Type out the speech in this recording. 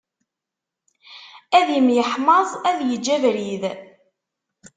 Ad imyeḥmaẓ ad yeǧǧ abrid.